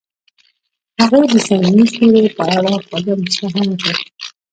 هغې د صمیمي ستوري په اړه خوږه موسکا هم وکړه.